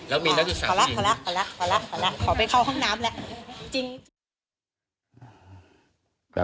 แล้วมีนักศึกษาที่ขอลักขอไปเข้าห้องน้ำละ